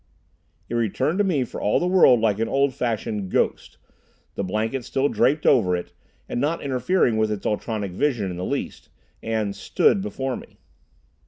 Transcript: It returned to me for all the world like an old fashioned ghost, the blanket still draped over it (and not interfering with its ultronic vision in the least) and "stood" before me.